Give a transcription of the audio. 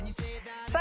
さあ